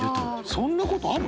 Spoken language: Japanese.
そんなことある！？